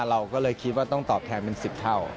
เราก็เลยคิดว่าต้องตอบแทนเป็น๑๐เท่า